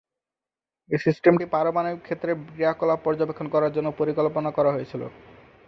এ সিস্টেমটি পারমাণবিক ক্ষেত্রের ক্রিয়াকলাপ পর্যবেক্ষণ করার জন্য পরিকল্পনা করা হয়েছিলো।